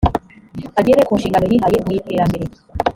agere ku nshingano yihaye mu iterambere